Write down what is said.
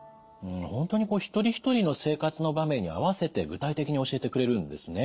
本当に一人一人の生活の場面に合わせて具体的に教えてくれるんですね。